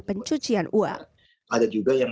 pencucian uang ada juga yang